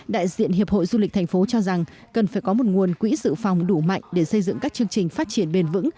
đại diện hiệp hội du lịch thành phố cho rằng cần phải có một nguồn quỹ sự phòng đủ mạnh để xây dựng các chương trình phát triển bền vững